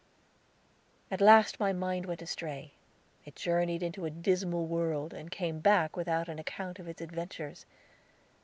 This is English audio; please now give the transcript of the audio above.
At last my mind went astray; it journeyed into a dismal world, and came back without an account of its adventures.